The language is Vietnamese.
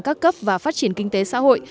các cấp và phát triển kinh tế xã hội